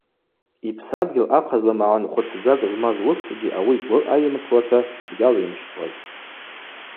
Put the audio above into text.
Йпсадгьыл ахъазла магӏын хвыцдзакӏ змаз уыскӏгьи ауи гвы айымтуата йгьагӏвйымщтуазтӏ.